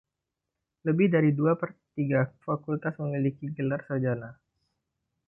Lebih dari dua pertiga fakultas memiliki gelar sarjana.